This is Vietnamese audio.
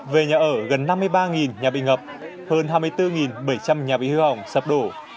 về nhà ở gần năm mươi ba nhà bị ngập hơn hai mươi bốn bảy trăm linh nhà bị hư hỏng sập đổ